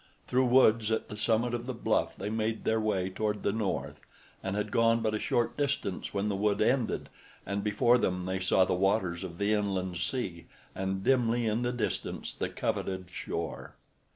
Through woods at the summit of the bluff they made their way toward the north and had gone but a short distance when the wood ended and before them they saw the waters of the inland sea and dimly in the distance the coveted shore.